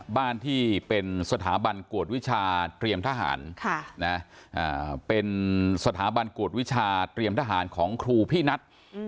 บ้านที่เป็นสถาบันกวดวิชาเตรียมทหารเป็นสถาบันกวดวิชาเตรียมทหารของครูพี่นัท